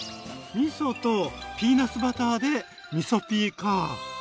みそとピーナツバターでみそピーか！